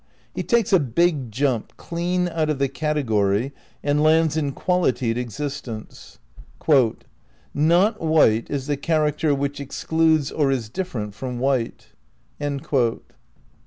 He takes a big jump clean out of the category and lands in qualitied existence. "Not white is the character which excludes or is different from white."